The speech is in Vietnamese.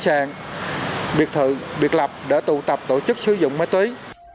các đối tượng đã được biệt lập để tụ tập tổ chức sử dụng ma túy